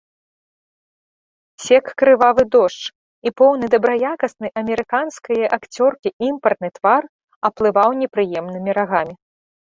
Сек крывы дождж, і поўны дабраякасны амерыканскае акцёркі імпартны твар аплываў непрыемнымі рагамі.